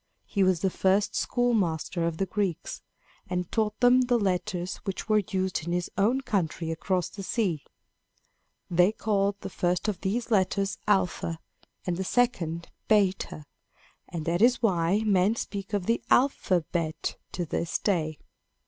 He was the first schoolmaster of the Greeks, and taught them the letters which were used in his own country across the sea. They called the first of these letters alpha and the second beta, and that is why men speak of the alphabet to this day.